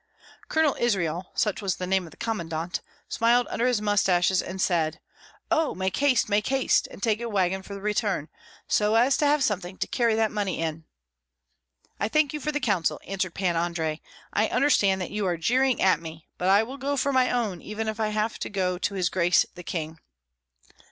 Colonel Israel (such was the name of the commandant) smiled under his mustaches and said, "Oh, make haste, make haste, and take a wagon for the return, so as to have something to carry that money in!" "I thank you for the counsel," answered Pan Andrei. "I understand that you are jeering at me; but I will go for my own, even if I have to go to his grace the king!"